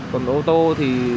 còn ô tô thì